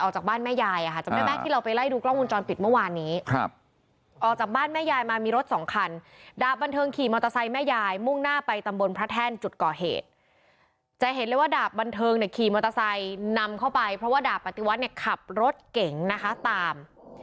จุดก่อเหตุจะเห็นเลยว่าดาบบันเทิงเนี่ยขี่มอเตอร์ไซค์นำเข้าไปเพราะว่าดาบปฏิวัติ์เนี่ยขับรถเก่งนะคะตาม